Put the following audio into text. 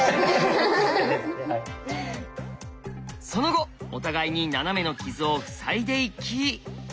その後お互いにナナメの傷を塞いでいき。